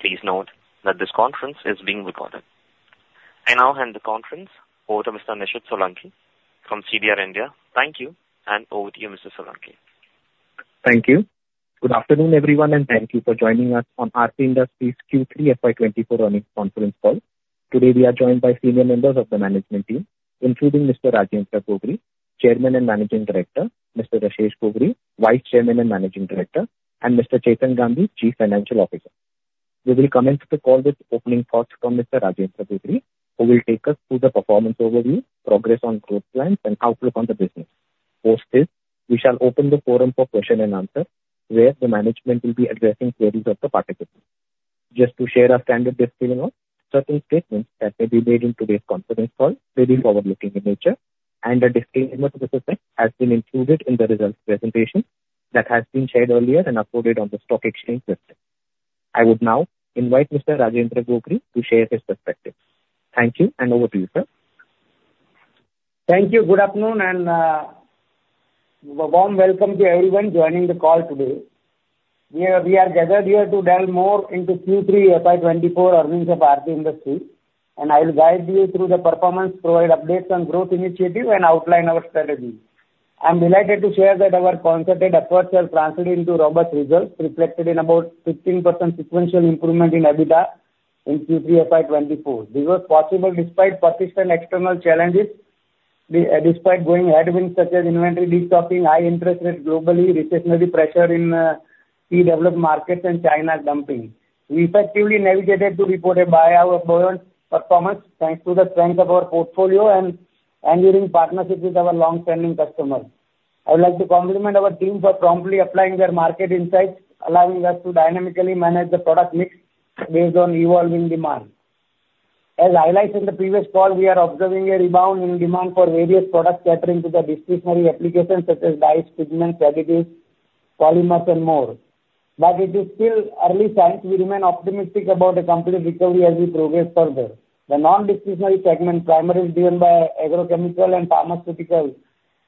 Please note that this conference is being recorded. I now hand the conference over to Mr. Nishid Solanki from CDR India. Thank you, and over to you, Mr. Solanki. Thank you. Good afternoon, everyone, and thank you for joining us on Aarti Industries Q3 FY24 earnings conference call. Today we are joined by senior members of the management team, including Mr. Rajendra Gogri, Chairman and Managing Director, Mr. Rashesh Gogri, Vice Chairman and Managing Director, and Mr. Chetan Gandhi, Chief Financial Officer. We will commence the call with opening thoughts from Mr. Rajendra Gogri, who will take us through the performance overview, progress on growth plans, and outlook on the business. Post this, we shall open the forum for question and answer, where the management will be addressing queries of the participants. Just to share a standard disclaimer: certain statements that may be made in today's conference call may be forward-looking in nature, and a disclaimer to the system has been included in the results presentation that has been shared earlier and uploaded on the stock exchange listing. I would now invite Mr. Rajendra Gogri to share his perspective. Thank you, and over to you, sir. Thank you. Good afternoon and warm welcome to everyone joining the call today. We are gathered here to delve more into Q3 FY24 earnings of Aarti Industries, and I'll guide you through the performance, provide updates on growth initiative, and outline our strategy. I'm delighted to share that our concerted efforts have translated into robust results, reflected in about 15% sequential improvement in EBITDA in Q3 FY24. This was possible despite persistent external challenges, despite ongoing headwinds such as inventory destocking, high interest rates globally, recessionary pressure in key developed markets, and China dumping. We effectively navigated to report a beat above our performance thanks to the strength of our portfolio and enduring partnership with our long-standing customers. I would like to compliment our team for promptly applying their market insights, allowing us to dynamically manage the product mix based on evolving demand. As highlighted in the previous call, we are observing a rebound in demand for various products catering to the discretionary applications such as dyes, pigments, additives, polymers, and more. But it is still early, and we remain optimistic about a complete recovery as we progress further. The non-discretionary segment, primarily driven by agrochemicals and pharmaceuticals,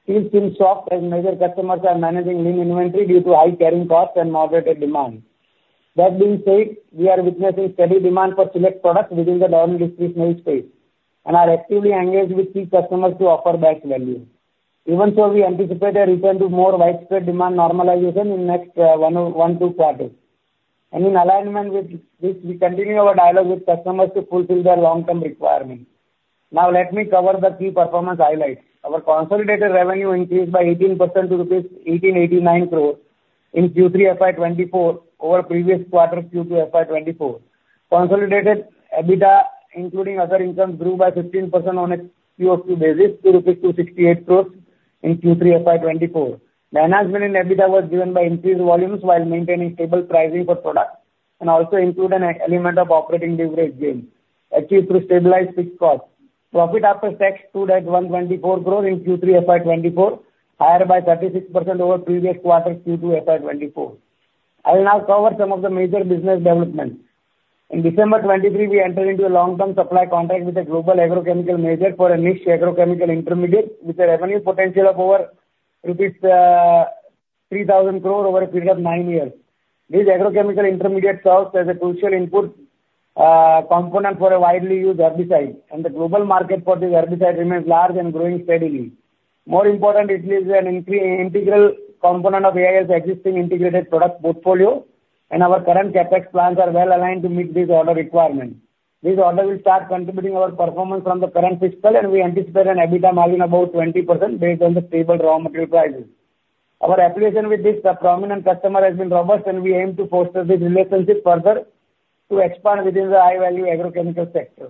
still seems soft as major customers are managing lean inventory due to high carrying costs and moderated demand. That being said, we are witnessing steady demand for select products within the non-discretionary space and are actively engaged with key customers to offer batch value. Even so, we anticipate a return to more widespread demand normalization in the next one or two quarters. And in alignment with this, we continue our dialogue with customers to fulfill their long-term requirements. Now, let me cover the key performance highlights. Our consolidated revenue increased by 18% to INR. 1,889 crores in Q3 FY24 over previous quarter Q2 FY24. Consolidated EBITDA, including other incomes, grew by 15% on a QoQ basis to 268 crores in Q3 FY24. Margin in EBITDA was driven by increased volumes while maintaining stable pricing for products and also included an element of operating leverage gains achieved through stabilized fixed costs. Profit after tax stood at 124 crores in Q3 FY24, higher by 36% over previous quarter Q2 FY24. I will now cover some of the major business developments. In December 2023, we entered into a long-term supply contract with a global agrochemical major for a niche agrochemical intermediate with a revenue potential of over rupees 3,000 crores over a period of 9 years. This agrochemical intermediate serves as a crucial input component for a widely used herbicide, and the global market for this herbicide remains large and growing steadily. More importantly, it is an integral component of Aarti's existing integrated product portfolio, and our current CAPEX plans are well aligned to meet this order requirement. This order will start contributing our performance from the current fiscal, and we anticipate an EBITDA margin of about 20% based on the stable raw material prices. Our application with this prominent customer has been robust, and we aim to foster this relationship further to expand within the high-value agrochemical sector.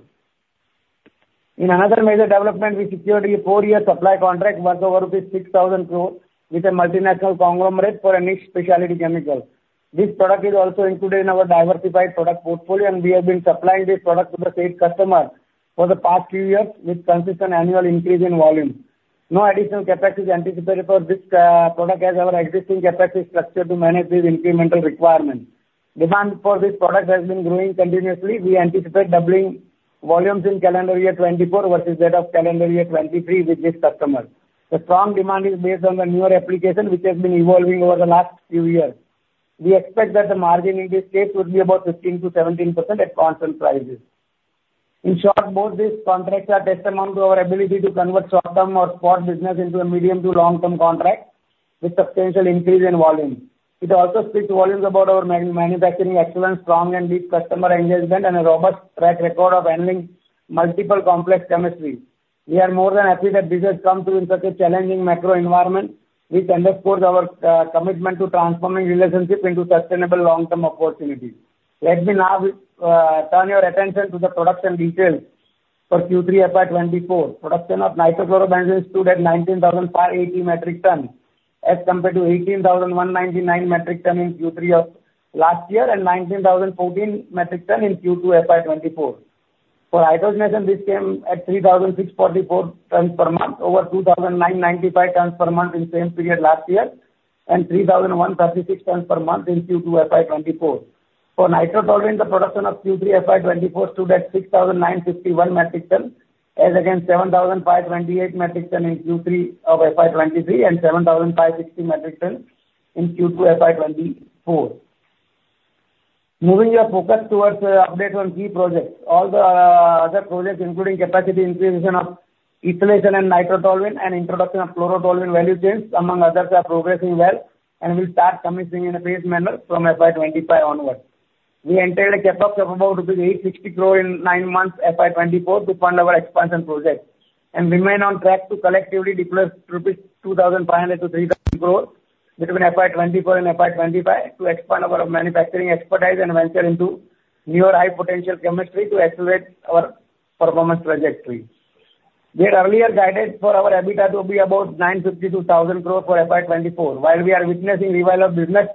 In another major development, we secured a four-year supply contract worth over 6,000 crore with a multinational conglomerate for a niche specialty chemical. This product is also included in our diversified product portfolio, and we have been supplying this product to the same customer for the past few years with consistent annual increase in volume. No additional CAPEX is anticipated for this product as our existing CAPEX is structured to manage this incremental requirement. Demand for this product has been growing continuously. We anticipate doubling volumes in calendar year 2024 versus that of calendar year 2023 with this customer. The strong demand is based on the newer application, which has been evolving over the last few years. We expect that the margin in this case would be about 15%-17% at constant prices. In short, both these contracts are testimony to our ability to convert short-term or spot business into a medium to long-term contract with substantial increase in volume. It also speaks volumes about our manufacturing excellence, strong and deep customer engagement, and a robust track record of handling multiple complex chemistries. We are more than happy that businesses come through in such a challenging macro environment, which underscores our commitment to transforming relationships into sustainable long-term opportunities. Let me now turn your attention to the production details for Q3 FY24. Production of nitrochlorobenzene stood at 19,580 metric tons as compared to 18,199 metric tons in Q3 of last year and 19,014 metric tons in Q2 FY24. For hydrogenation, this came at 3,644 tons per month, over 2,995 tons per month in the same period last year, and 3,136 tons per month in Q2 FY24. For nitrotoluene, the production of Q3 FY24 stood at 6,951 metric tons, as against 7,528 metric tons in Q3 of FY23 and 7,560 metric tons in Q2 FY24. Moving your focus towards updates on key projects, all the other projects, including capacity increase of NCB and nitrotoluene and introduction of chlorotoluene value chains, among others, are progressing well and will start commencing in a phased manner from FY2025 onwards. We entered a CAPEX of about rupees 860 crores in nine months FY2024 to fund our expansion project and remain on track to collectively deploy 2,500-3,000 crores rupees between FY2024 and FY2025 to expand our manufacturing expertise and venture into newer high-potential chemistries to accelerate our performance trajectory. We had earlier guided for our EBITDA to be about 950-1,000 crores for FY2024. While we are witnessing revival of business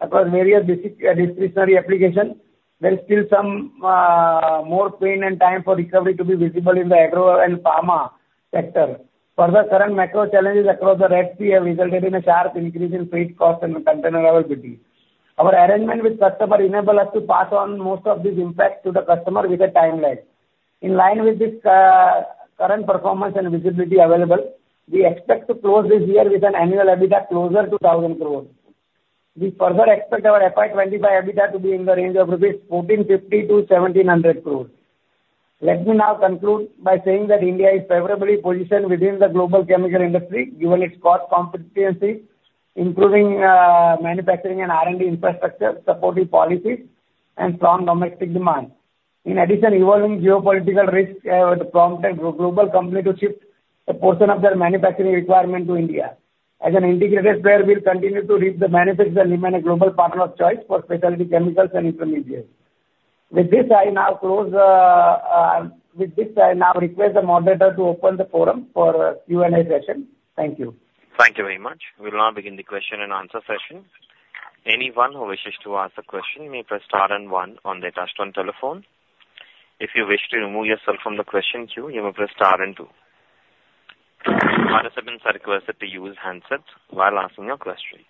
across various discretionary applications, there is still some more pain and time for recovery to be visible in the agro and pharma sector. Further current macro challenges across the Red Sea have resulted in a sharp increase in freight costs and container availability. Our arrangement with customers enables us to pass on most of this impact to the customer with a timeline. In line with this, current performance and visibility available, we expect to close this year with an annual EBITDA closer to 1,000 crore. We further expect our FY25 EBITDA to be in the range of 1,450-1,700 crore rupees. Let me now conclude by saying that India is favorably positioned within the global chemical industry given its cost competency, improving manufacturing and R&D infrastructure, supportive policies, and strong domestic demand. In addition, evolving geopolitical risks would prompt a global company to shift a portion of their manufacturing requirement to India. As an integrated player, we'll continue to reap the benefits that remain a global partner of choice for specialty chemicals and intermediates. With this, I now request the moderator to open the forum for a Q&A session. Thank you. Thank you very much. We will now begin the question and answer session. Anyone who wishes to ask a question may press star and one on their touchscreen telephone. If you wish to remove yourself from the question queue, you may press star and two. Participants are requested to use handsets while asking your question.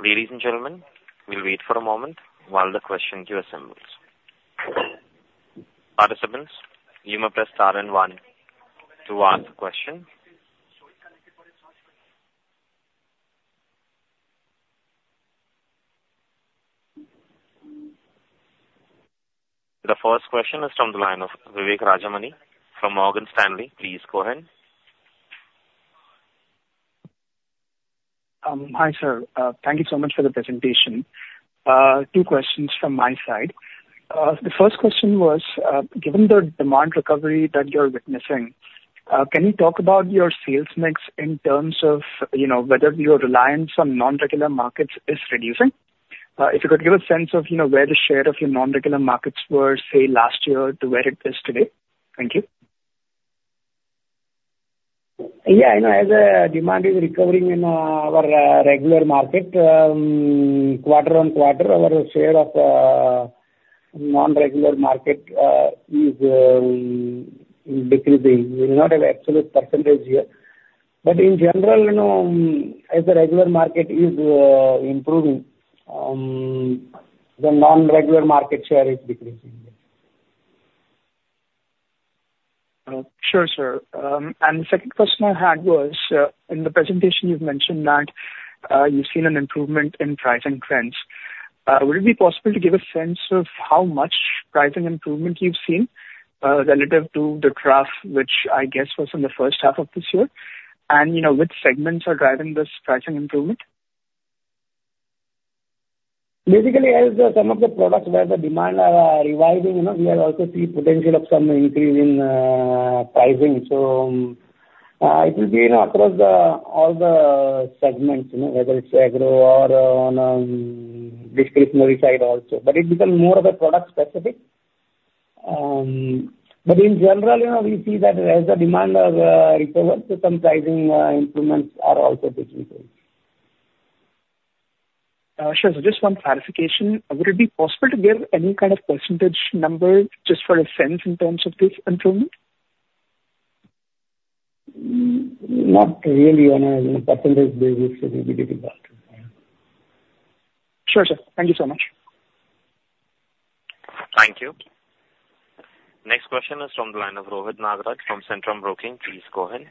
Ladies and gentlemen, we'll wait for a moment while the question queue assembles. Participants, you may press star and one to ask a question. The first question is from the line of Vivek Rajamani from Morgan Stanley. Please go ahead. Hi, sir. Thank you so much for the presentation. Two questions from my side. The first question was, given the demand recovery that you're witnessing, can you talk about your sales mix in terms of, you know, whether your reliance on non-regular markets is reducing? If you could give a sense of, you know, where the share of your non-regular markets were, say, last year to where it is today. Thank you. Yeah. You know, as demand is recovering in our regular market quarter-on-quarter, our share of non-regular market is decreasing. We do not have an absolute percentage here. But in general, you know, as the regular market is improving, the non-regular market share is decreasing. Sure, sir. And the second question I had was, in the presentation, you've mentioned that, you've seen an improvement in pricing trends. Would it be possible to give a sense of how much pricing improvement you've seen, relative to the graph which, I guess, was in the first half of this year? And, you know, which segments are driving this pricing improvement? Basically, as some of the products where the demand are revising, you know, we are also seeing potential of some increase in pricing. So, it will be, you know, across all the segments, you know, whether it's agro or on discretionary side also. But it becomes more of a product-specific. But in general, you know, we see that as the demand has recovered, some pricing improvements are also taking place. Sure. So just one clarification. Would it be possible to give any kind of percentage number just for a sense in terms of this improvement? Not really on a, you know, percentage basis. It will be difficult. Sure, sir. Thank you so much. Thank you. Next question is from the line of Rohit Nagraj from Centrum Broking. Please go ahead.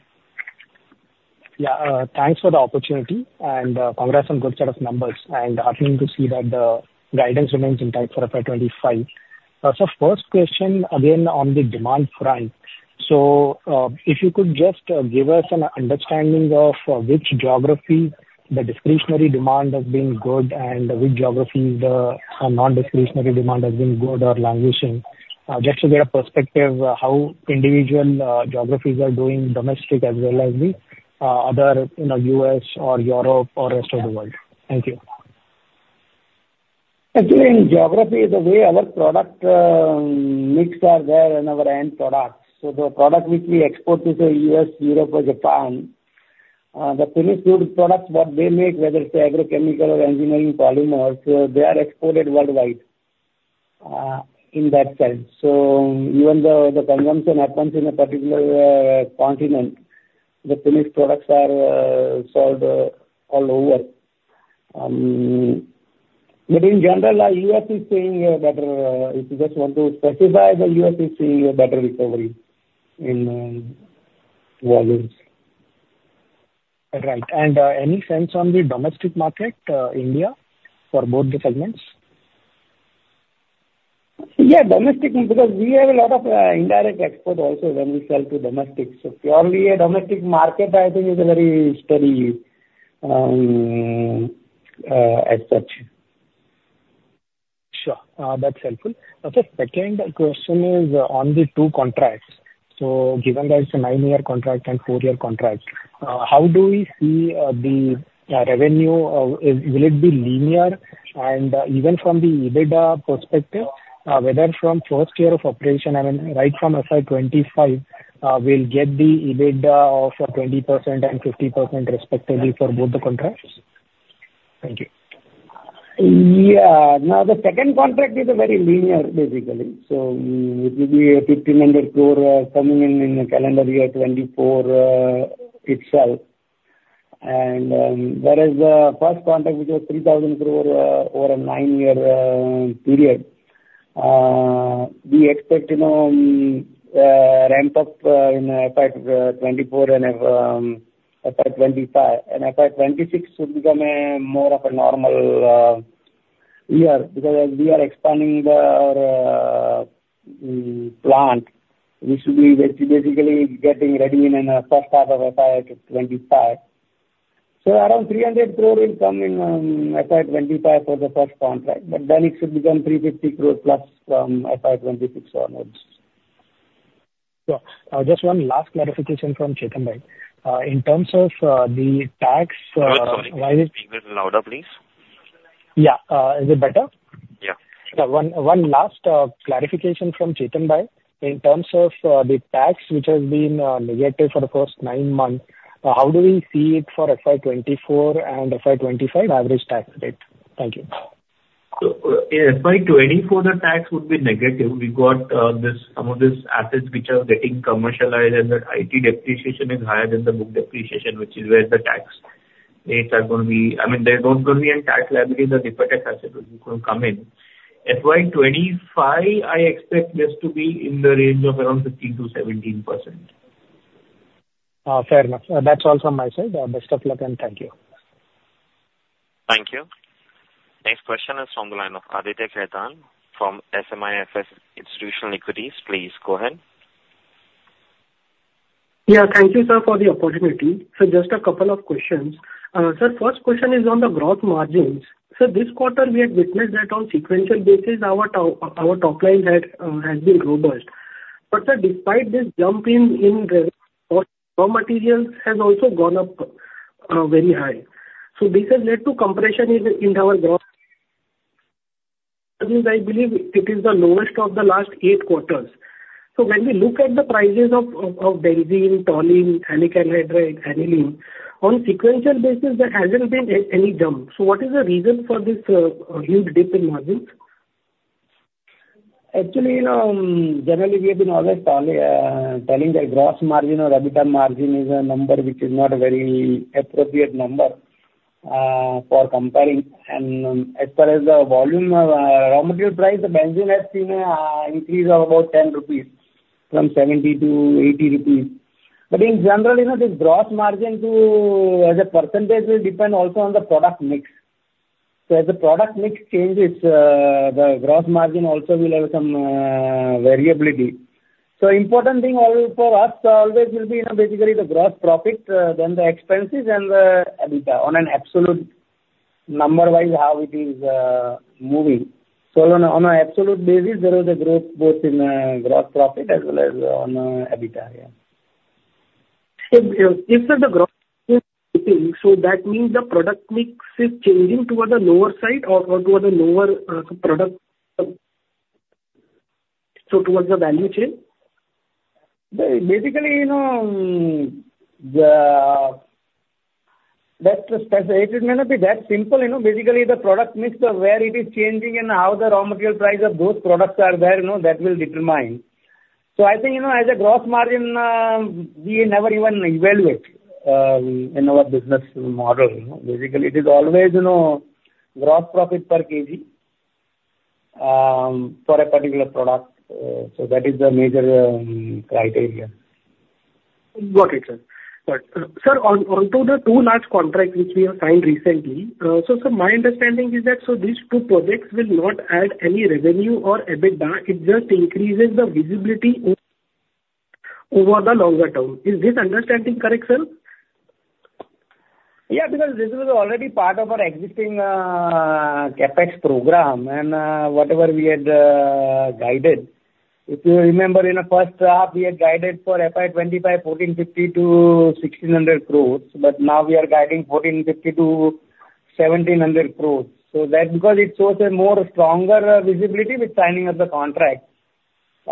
Yeah. Thanks for the opportunity, and congrats on a good set of numbers. Happy to see that the guidance remains intact for FY25. So first question, again, on the demand front. So, if you could just give us an understanding of which geography the discretionary demand has been good and which geography the non-discretionary demand has been good or languishing, just to get a perspective how individual geographies are doing domestic as well as the other, you know, US or Europe or rest of the world. Thank you. Actually, in geography, the way our product mix are there and our end products. So the product which we export to, say, U.S., Europe, or Japan, the finished good products, what they make, whether it's agrochemical or engineering polymers, they are exported worldwide, in that sense. So even though the consumption happens in a particular continent, the finished products are sold all over. But in general, U.S. is seeing a better if you just want to specify, the U.S. is seeing a better recovery in volumes. Right. Any sense on the domestic market, India for both the segments? Yeah, domestic because we have a lot of indirect export also when we sell to domestic. So purely a domestic market, I think, is a very steady, as such. Sure. That's helpful. Okay. Second question is on the two contracts. So given that it's a 9-year contract and 4-year contract, how do we see the revenue? Will it be linear? And even from the EBITDA perspective, whether from first year of operation, I mean, right from FY2025, we'll get the EBITDA of 20% and 50% respectively for both the contracts? Thank you. Yeah. Now, the second contract is very linear, basically. So it will be 1,500 crore, coming in in the calendar year 2024, itself. And whereas the first contract, which was 3,000 crore, over a 9-year period, we expect, you know, ramp up in FY24 and FY25. And FY26 should become more of a normal year because as we are expanding the plant, we should be basically getting ready in the first half of FY25. So around 300 crore will come in FY25 for the first contract. But then it should become 350 crore+ from FY26 onwards. Sure. Just one last clarification from Chetan Gandhi. In terms of the tax, Oh, sorry. Can you speak a little louder, please? Yeah. Is it better? Yeah. Yeah. One last clarification from Chetan Gandhi in terms of the tax which has been negative for the first nine months. How do we see it for FY24 and FY25? Average tax rate. Thank you. So, in FY24, the tax would be negative. We got, this some of these assets which are getting commercialized and the IT depreciation is higher than the book depreciation, which is where the tax rates are going to be. I mean, they're not going to be in tax liability. The deposit asset will be going to come in. FY25, I expect this to be in the range of around 15%-17%. Fair enough. That's all from my side. Best of luck, and thank you. Thank you. Next question is from the line of Aditya Khetan from SMIFS Institutional Equities. Please go ahead. Yeah. Thank you, sir, for the opportunity. So just a couple of questions. Sir, first question is on the gross margins. So this quarter, we had witnessed that on sequential basis, our top line has been robust. But, sir, despite this jump in revenue, raw materials has also gone up, very high. So this has led to compression in our gross margins. I believe it is the lowest of the last eight quarters. So when we look at the prices of benzene, toluene, maleic anhydride, aniline, on sequential basis, there hasn't been any jump. So what is the reason for this huge dip in margins? Actually, you know, generally, we have been always telling, telling that gross margin or EBITDA margin is a number which is not a very appropriate number for comparing. And, as far as the volume of raw material price, the benzene has seen an increase of about 10 rupees from 70 to 80 rupees. But in general, you know, this gross margin as a percentage will depend also on the product mix. So as the product mix changes, the gross margin also will have some variability. So important thing all for us always will be, you know, basically the gross profit, then the expenses, and the EBITDA on an absolute number-wise how it is moving. So on an absolute basis, there is a growth both in gross profit as well as in EBITDA. Yeah. If, sir, the gross is shifting, so that means the product mix is changing towards the lower side or towards the lower product so towards the value chain? Basically, you know, that's specified. It may not be that simple. You know, basically, the product mix where it is changing and how the raw material price of those products are there, you know, that will determine. So I think, you know, as a gross margin, we never even evaluate, in our business model. You know, basically, it is always, you know, gross profit per kg, for a particular product. So that is the major, criteria. Got it, sir. Got it, sir. Onto the two large contracts which we have signed recently, so, sir, my understanding is that these two projects will not add any revenue or EBITDA. It just increases the visibility over the longer term. Is this understanding correct, sir? Yeah, because this was already part of our existing CapEx program and whatever we had guided. If you remember, in the first half, we had guided for FY25 1,450 crores-1,600 crores. But now we are guiding 1,450 crores-1,700 crores. So that because it shows a more stronger visibility with signing of the contract. So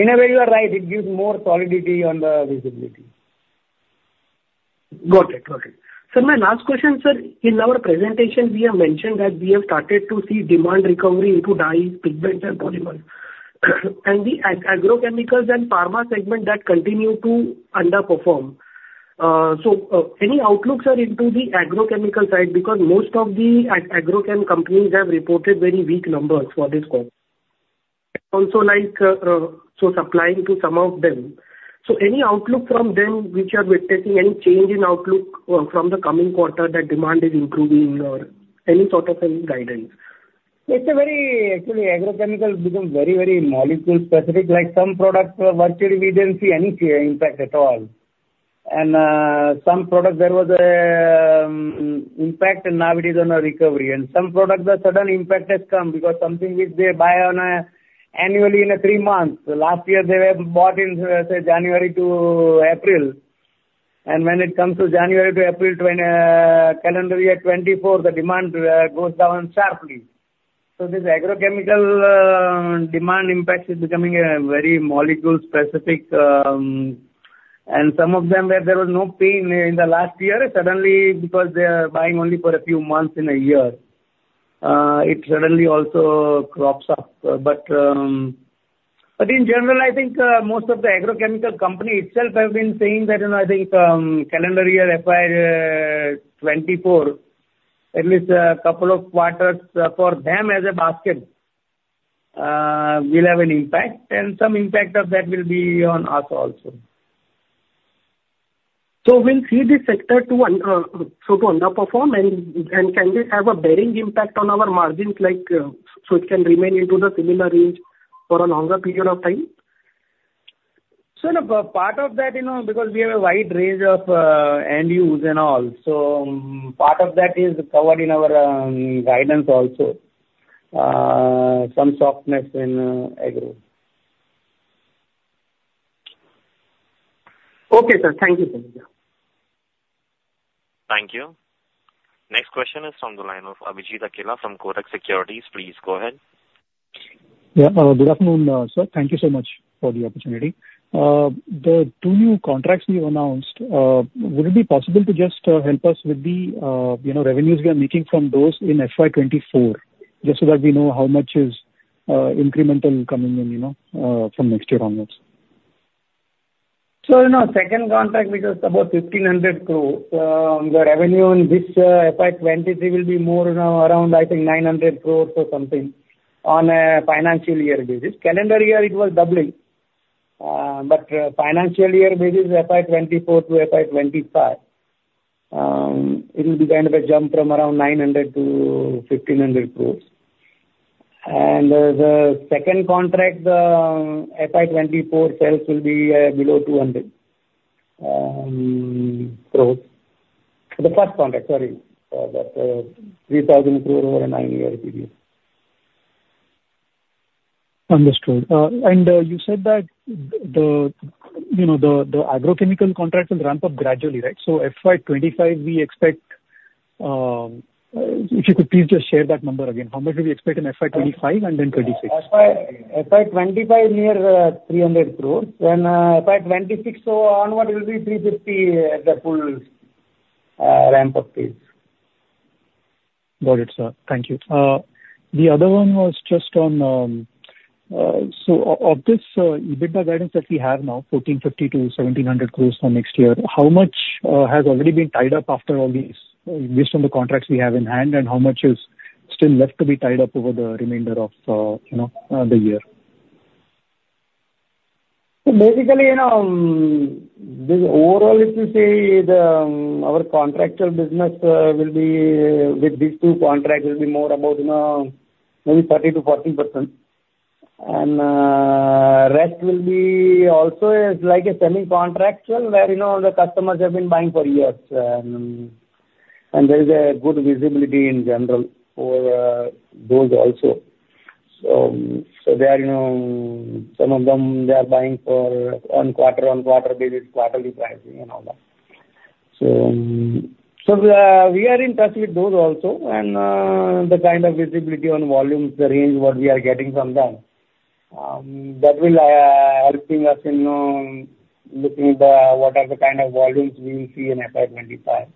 in a way, you are right. It gives more solidity on the visibility. Got it. Got it. Sir, my last question, sir. In our presentation, we have mentioned that we have started to see demand recovery into dyes, pigments, and polymers. And the agrochemicals and pharma segment that continue to underperform. So, any outlook, sir, into the agrochemical side because most of the agrochem companies have reported very weak numbers for this quarter, also like, so supplying to some of them. So any outlook from them which you are witnessing, any change in outlook, from the coming quarter that demand is improving or any sort of any guidance? It's a very actually agrochemical becomes very, very molecule-specific. Like some products, virtually we didn't see any impact at all. And some products, there was a impact, and now it is on a recovery. And some products, the sudden impact has come because something which they buy on a annually in a 3-month. Last year, they were bought in, say, January to April. And when it comes to January to April, calendar year 2024, the demand goes down sharply. So this agrochemical demand impact is becoming a very molecule-specific. And some of them where there was no pain in the last year, suddenly because they are buying only for a few months in a year, it suddenly also crops up. But in general, I think most of the agrochemical company itself have been saying that, you know, I think calendar year FY 2024, at least a couple of quarters for them as a basket, will have an impact. And some impact of that will be on us also. So we'll see this sector to underperform? And can this have a bearing impact on our margins like, so it can remain into the similar range for a longer period of time? Sure. But part of that, you know, because we have a wide range of end use and all. So, part of that is covered in our guidance also. Some softness in agro. Okay, sir. Thank you, sir. Yeah. Thank you. Next question is from the line of Abhijit Akella from Kotak Securities. Please go ahead. Yeah. Good afternoon, sir. Thank you so much for the opportunity. The two new contracts we've announced, would it be possible to just help us with the, you know, revenues we are making from those in FY24 just so that we know how much is incremental coming in, you know, from next year onwards? So, you know, second contract, which was about 1,500 crores, the revenue in this, FY23 will be more, you know, around, I think, 900 crores or something on a financial year basis. Calendar year, it was doubling. But, financial year basis, FY24 to FY25, it will be kind of a jump from around 900 crores to 1,500 crores. And, the second contract, the FY24 sales will be, below 200 crores. The first contract, sorry, that, 3,000 crores over a 9-year period. Understood. You said that the, you know, the agrochemical contract will ramp up gradually, right? So FY25, we expect, if you could please just share that number again. How much do we expect in FY25 and then 26? FY25 near 300 crore. FY26 so onward, it will be 350 crore at the full ramp-up phase. Got it, sir. Thank you. The other one was just on, so of this EBITDA guidance that we have now, 1,450 crore-1,700 crore for next year, how much has already been tied up after all these based on the contracts we have in hand, and how much is still left to be tied up over the remainder of, you know, the year? So basically, you know, this overall, if you see, our contractual business will be with these two contracts; it will be more about, you know, maybe 30%-40%. And the rest will be also is like a semi-contractual where, you know, the customers have been buying for years. And there is a good visibility in general for those also. So there, you know, some of them, they are buying for on quarter-on-quarter basis, quarterly pricing and all that. So we are in touch with those also. And the kind of visibility on volumes, the range what we are getting from them, that will helping us in, you know, looking at what are the kind of volumes we will see in FY25.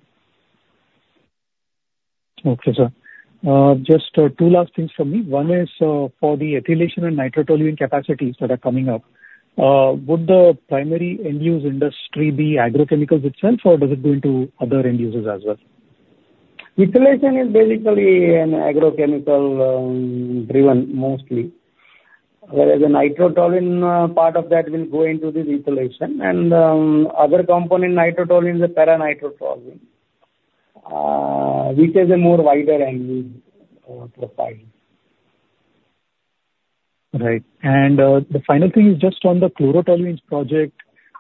Okay, sir. Just, two last things from me. One is, for the ethylation and nitrotoluene capacities that are coming up. Would the primary end-use industry be agrochemicals itself, or does it go into other end uses as well? Ethylation is basically an agrochemical driven mostly. Whereas the Nitrotoluene, part of that will go into this ethylation. And other component, Nitrotoluene, is a para-nitrotoluene, which has a more wider end-use profile. Right. The final thing is just on the Chlorotoluene project,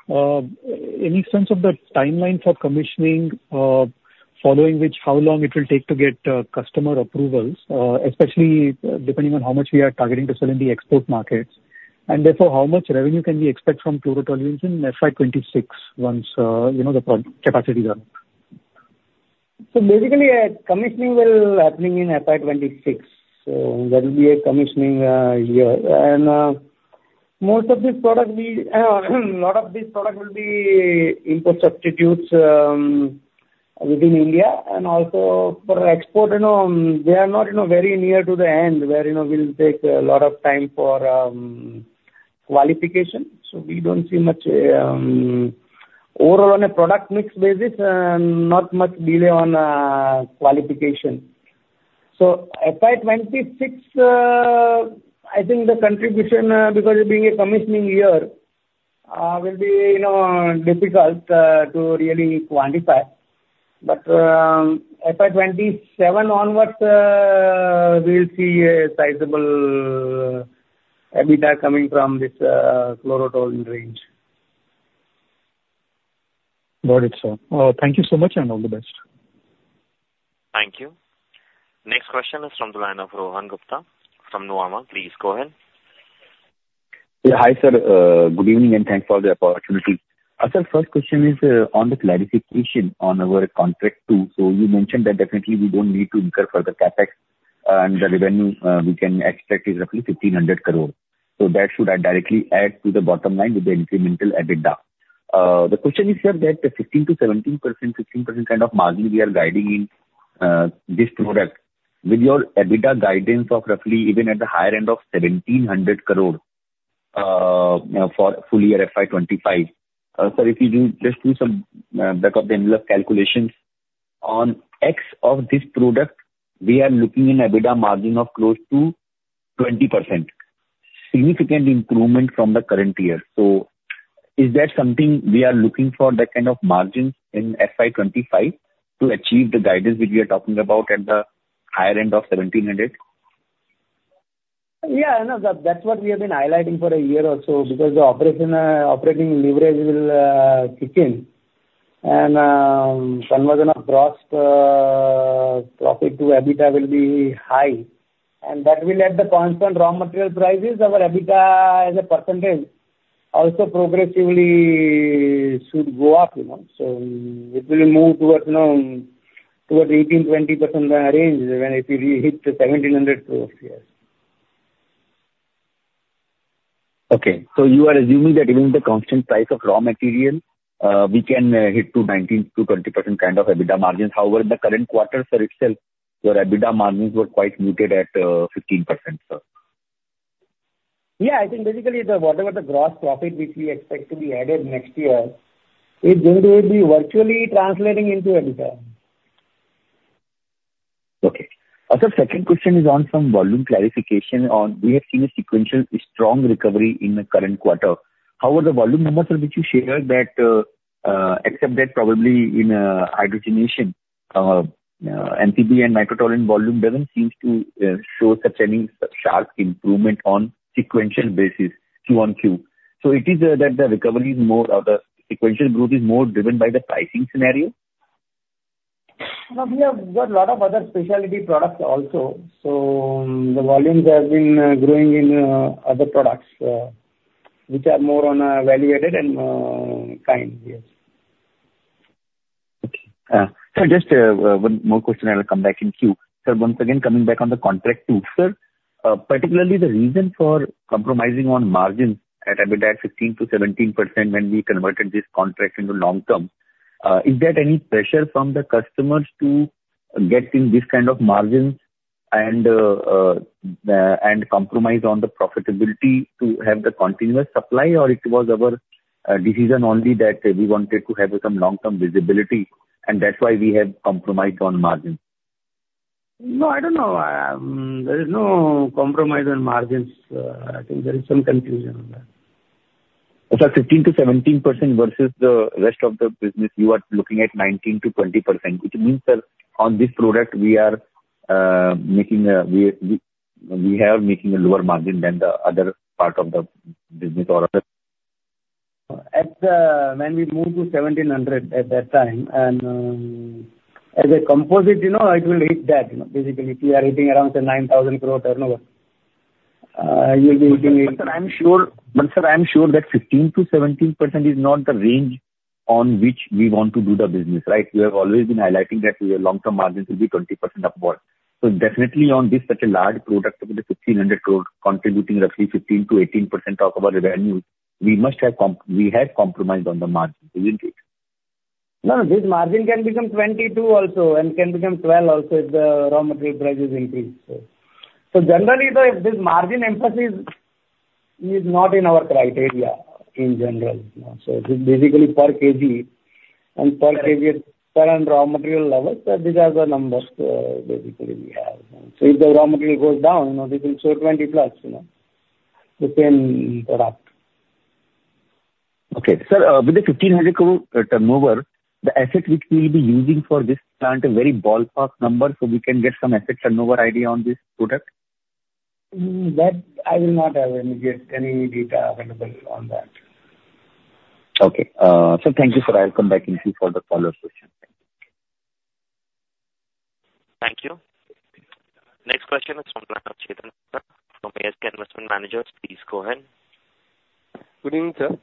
any sense of the timeline for commissioning, following which how long it will take to get customer approvals, especially depending on how much we are targeting to sell in the export markets, and therefore how much revenue can we expect from Chlorotoluene in FY26 once, you know, the pro capacities are up? So basically, commissioning will be happening in FY26. There will be a commissioning year. Most of these products, a lot of these products will be import substitutes within India. And also for export, you know, they are not, you know, very near to the end where, you know, it will take a lot of time for qualification. So we don't see much overall on a product mix basis and not much delay on qualification. So FY26, I think the contribution, because it being a commissioning year, will be, you know, difficult to really quantify. FY27 onwards, we'll see a sizable EBITDA coming from this Chlorotoluene range. Got it, sir. Thank you so much, and all the best. Thank you. Next question is from the line of Rohan Gupta from Nuvama. Please go ahead. Yeah. Hi, sir. Good evening, and thanks for the opportunity. Sir, first question is, on the clarification on our contract too. So you mentioned that definitely we don't need to incur further CAPEX. And the revenue, we can extract is roughly 1,500 crores. So that should directly add to the bottom line with the incremental EBITDA. The question is, sir, that the 15%-17%, 15% kind of margin we are guiding in, this product, with your EBITDA guidance of roughly even at the higher end of 1,700 crores, for full year FY25, sir, if you do just do some, back-of-the-envelope calculations, on capex of this product, we are looking in EBITDA margin of close to 20%, significant improvement from the current year. So is that something we are looking for, that kind of margins, in FY25 to achieve the guidance which we are talking about at the higher end of 1,700? Yeah. You know, that's what we have been highlighting for a year or so because the operational operating leverage will kick in. And conversion of gross profit to EBITDA will be high. And that will let the constant raw material prices our EBITDA as a percentage also progressively should go up, you know. So, it will move towards, you know, towards 18%-20% range when if you hit 1,700 crore, yes. Okay. So you are assuming that even with the constant price of raw material, we can hit to 19%-20% kind of EBITDA margins. However, in the current quarter, sir, itself, your EBITDA margins were quite muted at 15%, sir. Yeah. I think basically, the whatever the gross profit which we expect to be added next year, it's going to be virtually translating into EBITDA. Okay. Sir, second question is on some volume clarification on we have seen a sequential strong recovery in the current quarter. However, the volume numbers, sir, which you shared that, except that probably in Hydrogenation, NCB and Nitrotoluene volume doesn't seem to show such any sharp improvement on sequential basis Q on Q. So it is that the recovery is more or the sequential growth is more driven by the pricing scenario? Well, we have got a lot of other specialty products also. So, the volumes have been growing in other products, which are more value-added and kind of, yes. Okay. Sir, just one more question. I'll come back in queue. Sir, once again, coming back on the contract too, sir, particularly the reason for compromising on margins at EBITDA at 15%-17% when we converted this contract into long term, is that any pressure from the customers to get in this kind of margins and compromise on the profitability to have the continuous supply, or it was our decision only that we wanted to have some long-term visibility, and that's why we have compromised on margins? No, I don't know. There is no compromise on margins. I think there is some confusion on that. Sir, 15%-17% versus the rest of the business, you are looking at 19%-20%, which means, sir, on this product, we are making a lower margin than the other part of the business or other. At the time when we move to 1,700 at that time, and, as a composite, you know, it will hit that, you know, basically. If we are hitting around 9,000 crore turnover, you'll be hitting a. I'm sure that 15%-17% is not the range on which we want to do the business, right? You have always been highlighting that your long-term margin should be 20% upward. So definitely, on this such a large product with a 1,500 crore contributing roughly 15%-18% of our revenue, we must have, we have compromised on the margin, isn't it? No, no. This margin can become 22 also and can become 12 also if the raw material price is increased, sir. So generally, though, if this margin emphasis is not in our criteria in general, you know. So this basically per kg and per kg per and raw material levels, sir, these are the numbers, basically we have. So if the raw material goes down, you know, this will show 20+, you know, the same product. Okay. Sir, with the 1,500 crore turnover, the asset which we'll be using for this plant, a very ballpark number so we can get some asset turnover idea on this product? that I will not have immediate any data available on that. Okay. Sir, thank you, Sir. I'll come back in queue for the follow-up question. Thank you. Next question is from the line of Chetan Gupta from ASK Investment Managers. Please go ahead. Good evening, sir.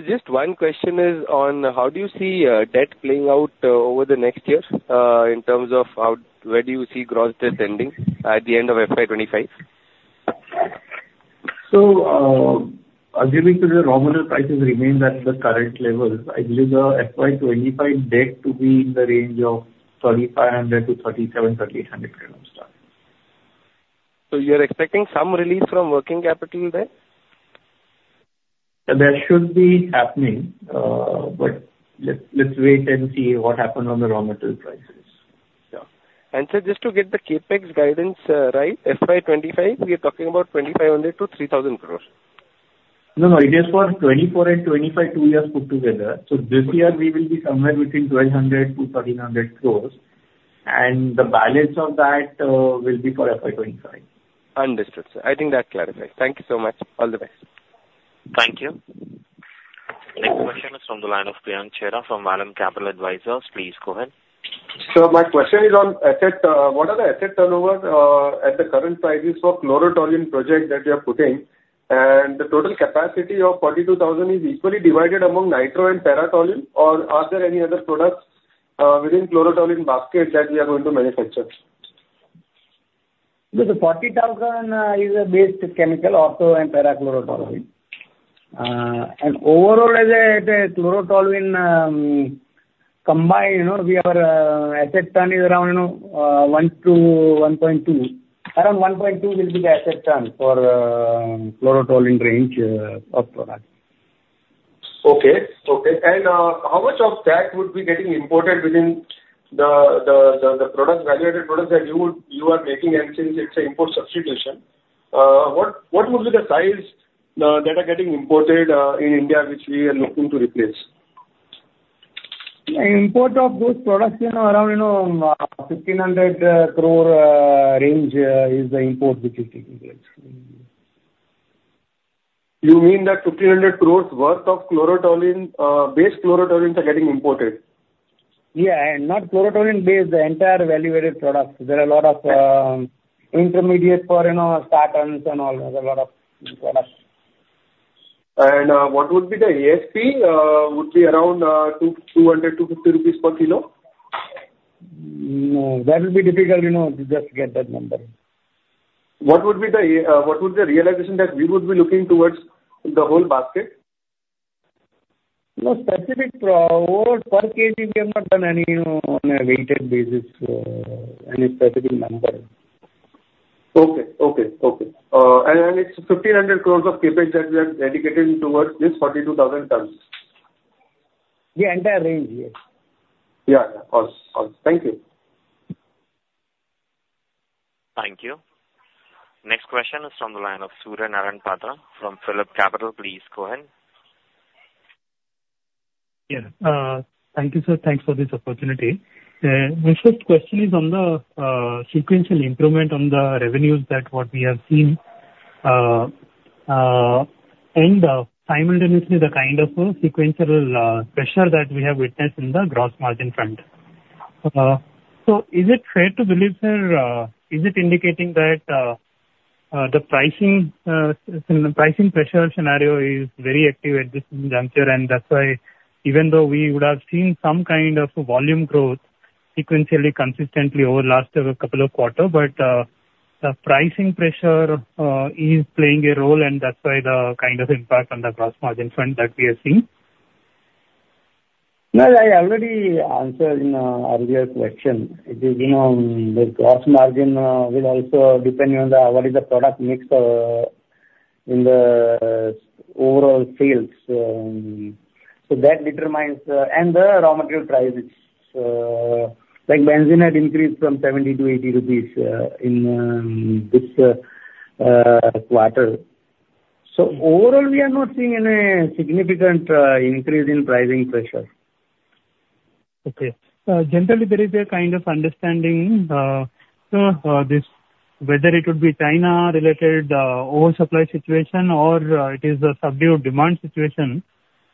Just one question is on how do you see debt playing out over the next year, in terms of how where do you see gross debt ending at the end of FY25? So, assuming today raw material prices remain at the current levels, I believe the FY25 debt to be in the range of 3,500 to 3,700, 3,800 crore on stock. You're expecting some release from working capital then? Yeah. That should be happening. But let's, let's wait and see what happens on the raw material prices, sir. Sir, just to get the CAPEX guidance, right, FY25, we are talking about 2,500 crore-3,000 crore. No, no. It is for 2024 and 2025, two years put together. So this year, we will be somewhere between 1,200 crores-1,300 crores. And the balance of that will be for FY25. Understood, sir. I think that clarifies. Thank you so much. All the best. Thank you. Next question is from the line of Priyank Chheda from Vallum Capital Advisors. Please go ahead. Sir, my question is on assets. What are the asset turnovers at the current prices for the Chlorotoluene project that you are putting? And the total capacity of 42,000 is equally divided among nitro and para-toluene, or are there any other products within the Chlorotoluene basket that we are going to manufacture? So the 40,000 is a base chemical, ortho- and para-chlorotoluene. And overall, as a chlorotoluene combined, you know, we have asset turn around 1-1.2. Around 1.2 will be the asset turn for chlorotoluene range of product. Okay. Okay. How much of that would be getting imported within the product valuated products that you are making and since it's an import substitution, what would be the size that are getting imported in India which we are looking to replace? The import of those products, you know, around, you know, 1,500 crore range, is the import which is taking place. You mean that 1,500 crores worth of Chlorotoluene, based Chlorotoluene are getting imported? Yeah. Not Chlorotoluene-based, the entire value-added products. There are a lot of intermediates for, you know, statins and all. There's a lot of products. What would be the ASP? Would be around 200-250 rupees per kilo? No. That will be difficult, you know, to just get that number. What would be the realization that we would be looking towards the whole basket? No. Specifically, per kg, we have not done any, you know, on a weighted basis, any specific number. Okay, and it's 1,500 crore of CAPEX that we are dedicating towards this 42,000 tons? The entire range, yes. Yeah. Yeah. Awesome. Awesome. Thank you. Thank you. Next question is from the line of Surya Patra from PhillipCapital. Please go ahead. Yeah. Thank you, sir. Thanks for this opportunity. My first question is on the sequential improvement on the revenues that what we have seen, and simultaneously the kind of sequential pressure that we have witnessed in the gross margin front. So is it fair to believe, sir, is it indicating that the pricing in the pricing pressure scenario is very active at this juncture, and that's why even though we would have seen some kind of volume growth sequentially, consistently over the last couple of quarters, but the pricing pressure is playing a role, and that's why the kind of impact on the gross margin front that we have seen? Well, I already answered in earlier question. It is, you know, the gross margin will also depend on what is the product mix in the overall fields. So that determines, and the raw material prices. Like benzene had increased from 70 to 80 rupees in this quarter. So overall, we are not seeing any significant increase in pricing pressure. Okay. Generally, there is a kind of understanding, so, this whether it would be China-related, oil supply situation or, it is a subdued demand situation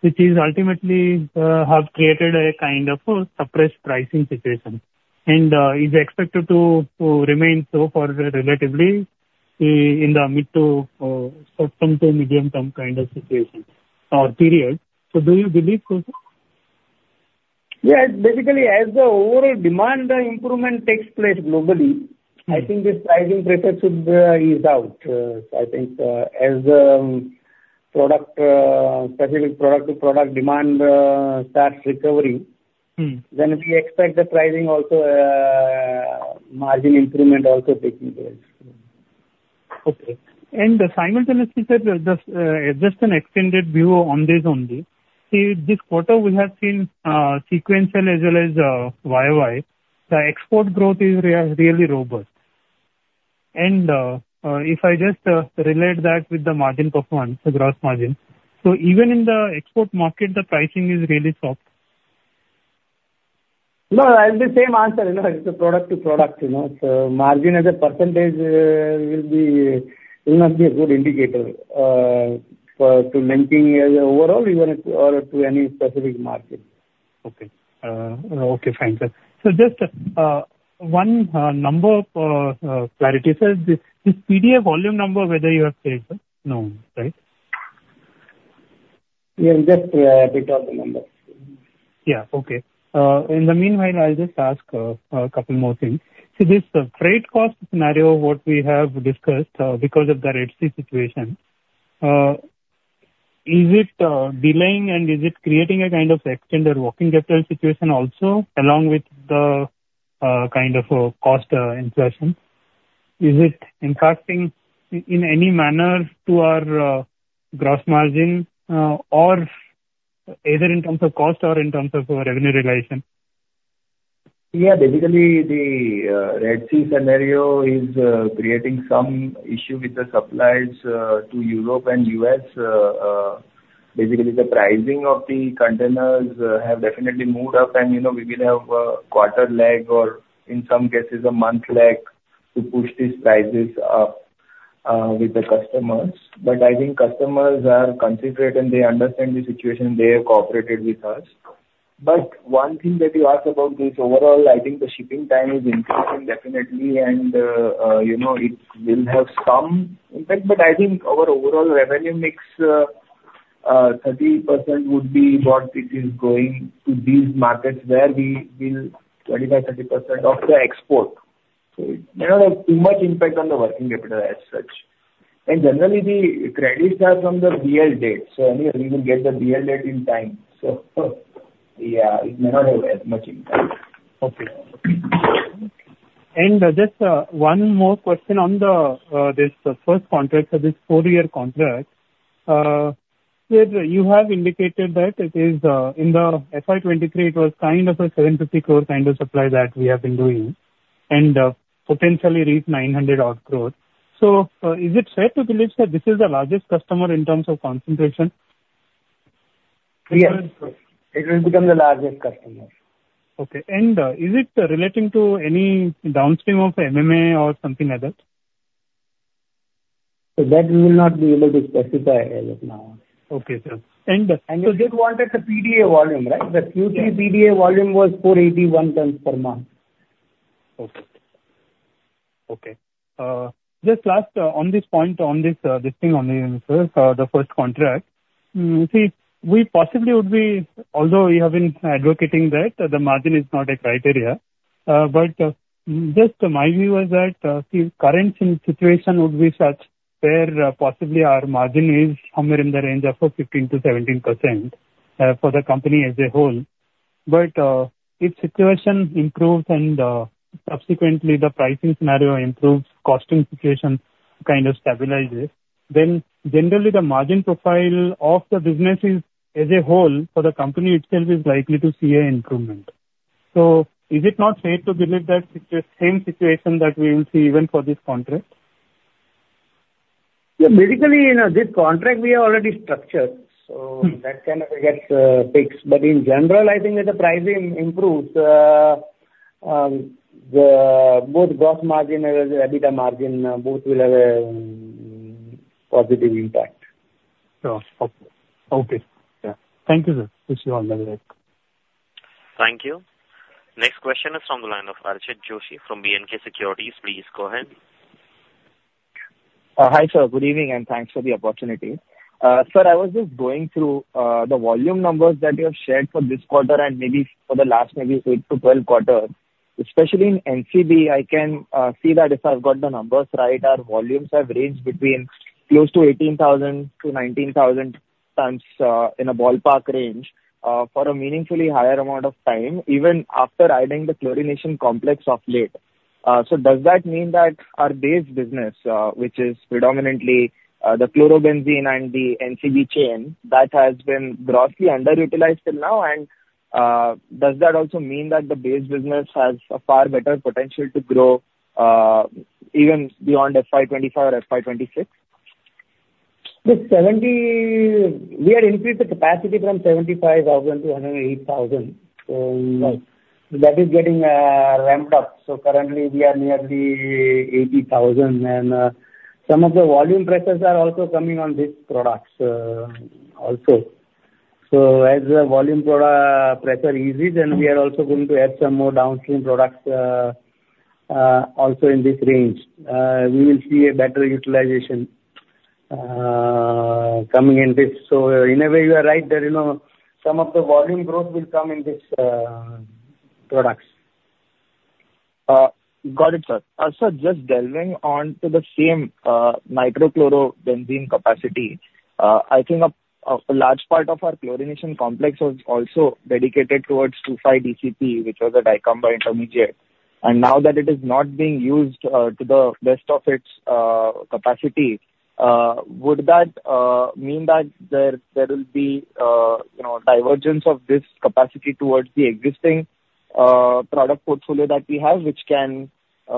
which is ultimately, have created a kind of, suppressed pricing situation. And, it's expected to remain so for relatively in the mid- to short-term to medium-term kind of situation or period. So do you believe, so, sir? Yeah. Basically, as the overall demand improvement takes place globally, I think this pricing pressure should ease out. So I think, as the product-specific product-to-product demand starts recovering, then we expect the pricing also, margin improvement also taking place. Okay. And simultaneously, sir, just an extended view on this only. See, this quarter, we have seen sequential as well as YOY. The export growth is really robust. And if I just relate that with the margin performance, the gross margin, so even in the export market, the pricing is really soft. No, I have the same answer, you know. It's a product-to-product, you know. So margin as a percentage will not be a good indicator for to linking as overall even or to any specific market. Okay. Fine, sir. So just one number clarity, sir. This PDA volume number whether you have saved, sir? No, right? Yeah. Just a bit of the numbers. Yeah. Okay. In the meanwhile, I'll just ask a couple more things. See, this freight cost scenario what we have discussed, because of the Red Sea situation, is it delaying, and is it creating a kind of extended working capital situation also along with the kind of cost inflation? Is it impacting in any manner to our gross margin, or either in terms of cost or in terms of our revenue relation? Yeah. Basically, the Red Sea scenario is creating some issue with the supplies to Europe and U.S. Basically, the pricing of the containers have definitely moved up, and, you know, we will have a quarter lag or in some cases, a month lag to push these prices up with the customers. But I think customers are concentrated, and they understand the situation. They have cooperated with us. But one thing that you asked about this overall, I think the shipping time is increasing definitely, and, you know, it will have some impact. But I think our overall revenue mix, 30% would be what it is going to these markets where we will 25%-30% of the export. So it may not have too much impact on the working capital as such. And generally, the credits are from the BL date. So anyway, we will get the BL date in time. So yeah, it may not have as much impact. Okay. And just one more question on this first contract, so this four-year contract. Sir, you have indicated that it is, in the FY23, it was kind of a 750 crore kind of supply that we have been doing and potentially reach 900-odd crore. So, is it fair to believe, sir, this is the largest customer in terms of concentration? Yes. It will become the largest customer. Okay. And is it relating to any downstream of MMA or something else? So that we will not be able to specify as of now. Okay, sir. And, You said you wanted the PDA volume, right? The Q3 PDA volume was 481 tons per month. Okay. Okay, just last, on this point, on this, this thing only, sir, the first contract. See, we possibly would be although we have been advocating that the margin is not a criteria, but, just my view is that, see, current situation would be such where, possibly our margin is somewhere in the range of 15%-17%, for the company as a whole. But, if situation improves and, subsequently, the pricing scenario improves, costing situation kind of stabilizes, then generally, the margin profile of the businesses as a whole for the company itself is likely to see an improvement. So is it not fair to believe that situa same situation that we will see even for this contract? Yeah. Basically, you know, this contract, we are already structured. So that kind of gets fixed. But in general, I think if the pricing improves, both the gross margin as well as EBITDA margin will have positive impact. Sure. Okay. Okay. Yeah. Thank you, sir. See you all. Bye-bye. Thank you. Next question is from the line of Archit Joshi from B&K Securities. Please go ahead. Hi, sir. Good evening, and thanks for the opportunity. Sir, I was just going through the volume numbers that you have shared for this quarter and maybe for the last maybe 8-12 quarters. Especially in NCB, I can see that if I've got the numbers right, our volumes have ranged between close to 18,000-19,000 tons, in a ballpark range, for a meaningfully higher amount of time even after adding the chlorination complex of late. So does that mean that our base business, which is predominantly the Chlorobenzene and the NCB chain, that has been grossly underutilized till now? Does that also mean that the base business has a far better potential to grow, even beyond FY25 or FY26? The 70 we had increased the capacity from 75,000 to 108,000. So, Right. So that is getting ramped up. So currently, we are nearly 80,000. And some of the volume pressures are also coming on these products also. So as the volume product pressure eases, and we are also going to add some more downstream products also in this range, we will see a better utilization coming in this. So in a way, you are right that you know some of the volume growth will come in this products. Got it, sir. Sir, just delving into the same, Nitrochlorobenzene capacity, I think a large part of our chlorination complex was also dedicated towards 2,5-DCP, which was a dicamba intermediate. And now that it is not being used to the best of its capacity, would that mean that there will be, you know, divergence of this capacity towards the existing product portfolio that we have which can